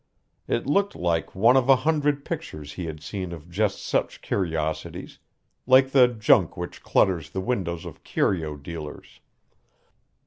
It looked like one of a hundred pictures he had seen of just such curiosities like the junk which clutters the windows of curio dealers.